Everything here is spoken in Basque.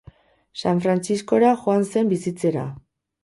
San Frantziskora joan zen bizitzera.